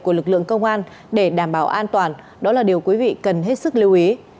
của lực lượng công an để đảm bảo an toàn đó là điều quý vị cần hết sức lưu ý